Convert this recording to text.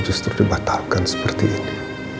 justru dibatalkan seperti ini